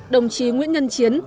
đồng chí nguyễn nhân chiến